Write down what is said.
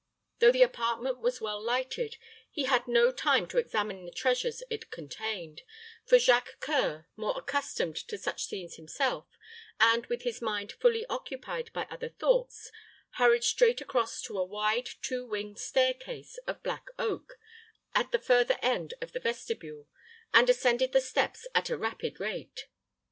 Though the apartment was well lighted, he had no time to examine the treasures it contained; for Jacques C[oe]ur, more accustomed to such scenes himself, and with his mind fully occupied by other thoughts, hurried straight across to a wide, two winged stair case of black oak, at the further end of the vestibule, and ascended the steps at a rapid rate.